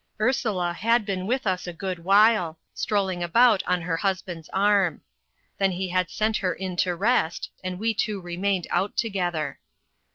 Ursula had been with us a good while, strolling about on her husband's arm; then he had sent her in to rest, and we two remained out together.